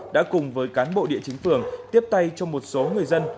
đã cùng với cán bộ địa chính phường tiếp tay cho một số người dân